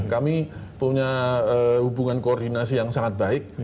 kami punya hubungan koordinasi yang sangat baik